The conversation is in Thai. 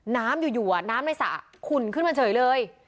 น้ำอยู่น้ำในสระขุ่นขึ้นมาเฉยเลย